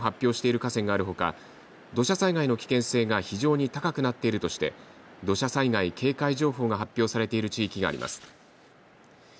県内では警戒レベル５相当の氾濫発生情報を発表している河川があるほか土砂災害の危険性が非常に高くなっているとして土砂災害警戒情報が発表されている地域があります。